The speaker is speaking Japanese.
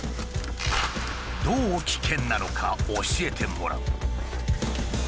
どう危険なのか教えてもらう。